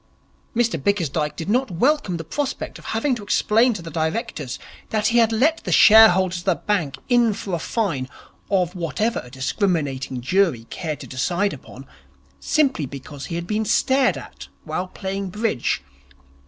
Mr Bickersdyke did not welcome the prospect of having to explain to the Directors that he had let the shareholders of the bank in for a fine of whatever a discriminating jury cared to decide upon, simply because he had been stared at while playing bridge.